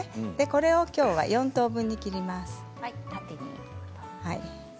これをきょうは４等分に切ります。